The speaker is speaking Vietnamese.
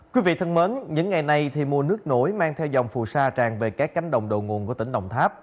quý vị thân mến những ngày này thì mùa nước nổi mang theo dòng phù sa tràn về các cánh đồng đầu nguồn của tỉnh đồng tháp